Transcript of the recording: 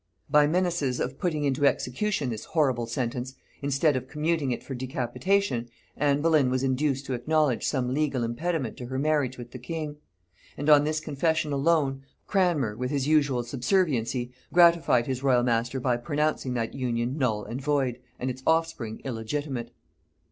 By menaces of putting into execution this horrible sentence, instead of commuting it for decapitation, Anne Boleyn was induced to acknowledge some legal impediment to her marriage with the king; and on this confession alone, Cranmer, with his usual subserviency, gratified his royal master by pronouncing that union null and void, and its offspring illegitimate.